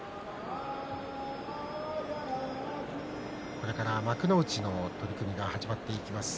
これから幕内の取組が始まっていきます。